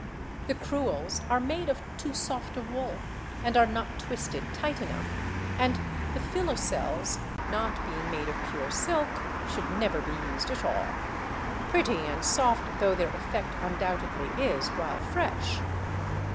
The crewels are made of too soft a wool, and are not twisted tight enough, and the filoselles, not being made of pure silk, should never be used at all, pretty and soft though their effect undoubtedly is while fresh.